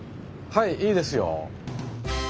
はいいいですよ。